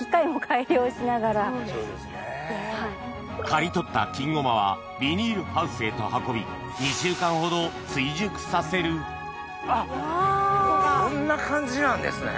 刈り取った金ごまはビニールハウスへと運び２週間ほど追熟させるあっこんな感じなんですね。